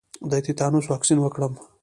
د تیتانوس واکسین وکړم؟